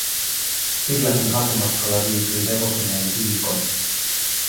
Silläkin hakumatkalla viipyi hevosineen viikon.